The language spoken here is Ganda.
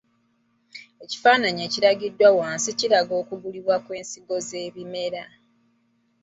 Ekifaananyi ekiragiddwa wansi kiraga okugulibwa okw’ebika by’ensigo z’ebimera.